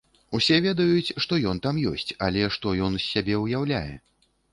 Усе ведаюць, што ён там ёсць, але што ён з сябе ўяўляе?